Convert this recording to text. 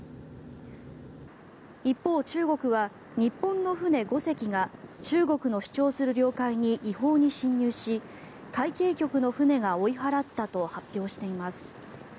一方、中国は日本の船５隻が中国の主張する領海に違法に侵入し海警局の船が追い払ったと発表しています。